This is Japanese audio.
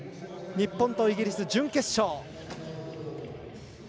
日本とイギリス、準決勝。